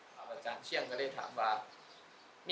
พระพุทธพิบูรณ์ท่านาภิรม